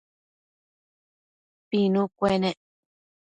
Pinu cuenec